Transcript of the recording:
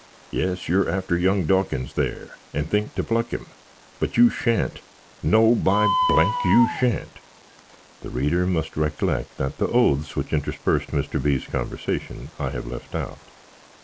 Yes, you're after young Dawkins there, and think to pluck him; but you shan't, no, by you shan't." (The reader must recklect that the oaths which interspussed Mr. B.'s convysation I have lift out.)